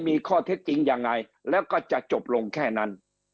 มีข้อเท็จจริงยังไงแล้วก็จะจบลงแค่นั้น